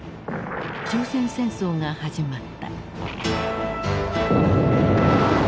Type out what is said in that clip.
朝鮮戦争が始まった。